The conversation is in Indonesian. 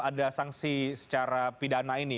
ada sanksi secara pidana ini